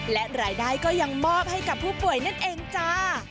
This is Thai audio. และรายได้ก็ยังมอบให้กับผู้ป่วยนั่นเองจ้า